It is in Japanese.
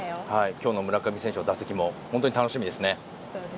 今日の村上選手の打席も本当に楽しみですね。